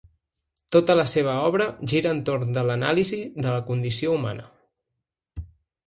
Tota la seva obra gira entorn de l’anàlisi de la condició humana.